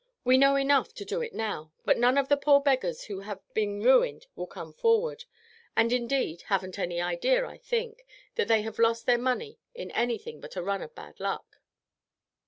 We know enough to do it now; but none of the poor beggars who have been ruined will come forward, and, indeed, haven't any idea, I think, that they have lost their money in anything but a run of bad luck.